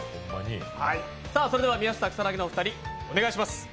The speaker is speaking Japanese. それでは宮下草薙のお二人、お願いします。